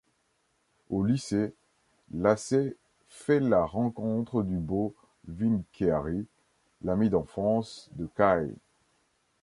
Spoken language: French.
Au lycée, Lacey fait la rencontre du beau Vin Keahi, l'ami d'enfance de Kai.